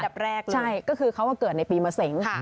เพราะว่าเขาก็เกิดในปีเมษัง